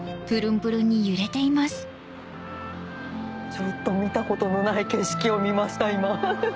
ちょっと見たことのない景色を見ました今。